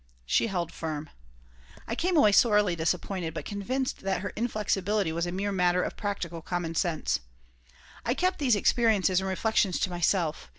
She held firm I came away sorely disappointed, but convinced that her inflexibility was a mere matter of practical common sense I kept these experiences and reflections to myself.